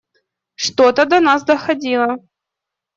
Что-то до нас доходило.